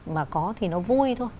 mà có thì nó vui thôi